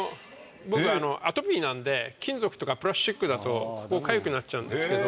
僕アトピーなんで金属とかプラスチックだとここかゆくなっちゃうんですけど。